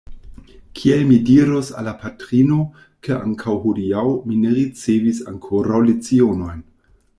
Kiel mi diros al la patrino, ke ankaŭ hodiaŭ mi ne ricevis ankoraŭ lecionojn!